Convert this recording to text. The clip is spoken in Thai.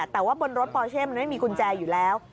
แต่ว่าบนรถปอเช่มันไม่มีกุญแจอยู่แล้ว